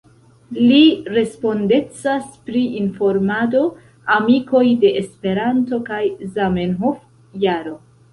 Li respondecas pri informado, Amikoj de Esperanto kaj Zamenhof-Jaro.